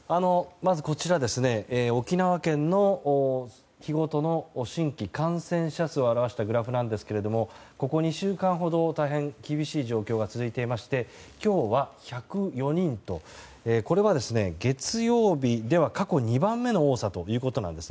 まず、沖縄県の日ごとの新規感染者数を表したグラフなんですがここ２週間ほど大変厳しい状況が続いていまして今日は１０４人とこれは月曜日では過去２番目の多さということです。